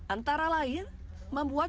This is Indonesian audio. antara lain membuat